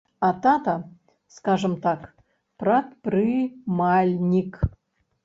А тата, скажам так, прадпрымальнік.